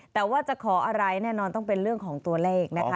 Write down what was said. แต่ว่าจะขออะไรแน่นอนต้องเป็นเรื่องของตัวเลขนะคะ